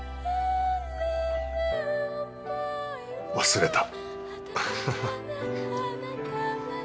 忘れた。